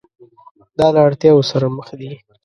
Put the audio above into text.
دا له اړتیاوو سره مخ دي.